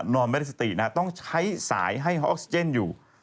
นอนไม่ได้สตินะต้องใช้สายให้เขาออกซิเจนอยู่